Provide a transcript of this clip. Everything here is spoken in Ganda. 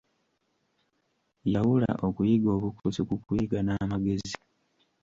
Yawula okuyiga obukusu ku kuyiga n'amagezi.